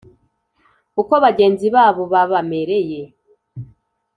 uko bagenzi babo babamereye.